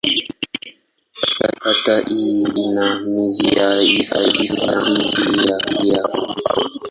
Kata hii ina misitu ya hifadhi na miti ya mbao.